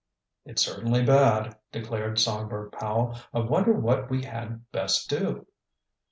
"It's certainly bad," declared Songbird Powell. "I wonder what we had best do?"